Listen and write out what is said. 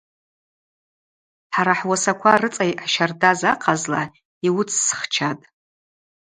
Хӏара хӏуасаква рыцӏа йъащардаз ахъазла йуыцсхчатӏ.